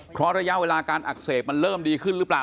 เพราะระยะเวลาการอักเสบมันเริ่มดีขึ้นหรือเปล่า